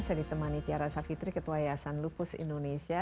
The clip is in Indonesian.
saya ditemani tiara savitri ketua yayasan lupus indonesia